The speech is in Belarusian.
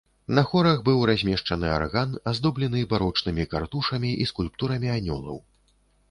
На хорах быў размешчаны арган аздоблены барочнымі картушамі і скульптурамі анёлаў.